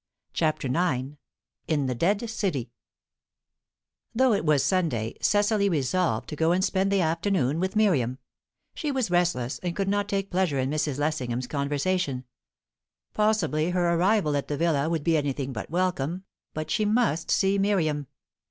CHAPTER IX IN THE DEAD CITY Through it was Sunday, Cecily resolved to go and spend the afternoon with Miriam. She was restless, and could not take pleasure in Mrs. Lessingham's conversation. Possibly her arrival at the villa would be anything but welcome; but she must see Miriam.